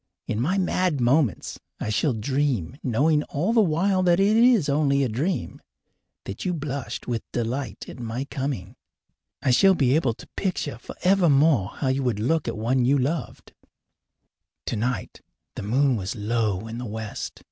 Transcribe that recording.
In my mad moments I shall dream, knowing all the while that it is only a dream, that you blushed with delight at my coming. I shall be able to picture forevermore how you would look at one you loved. Tonight the moon was low in the west.